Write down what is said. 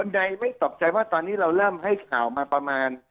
ใดไม่ตกใจว่าตอนนี้เราเริ่มให้ข่าวมาประมาณ